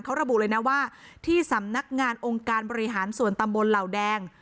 เขาระบุเลยนะว่าที่สำนักงานองค์การบริหารส่วนตำบลเหล่าแดง